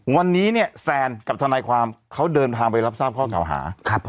วันนี้เนี่ยแซนกับทนายความเขาเดินทางไปรับทราบข้อเก่าหา